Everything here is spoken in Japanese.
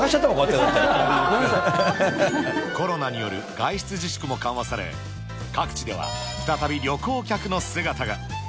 コロナによる外出自粛も緩和され、各地では再び旅行客の姿が。